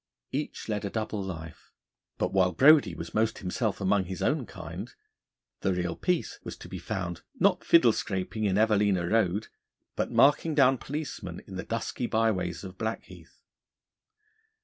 Each led a double life; but while Brodie was most himself among his own kind, the real Peace was to be found not fiddle scraping in Evelina Road but marking down policemen in the dusky byways of Blackheath.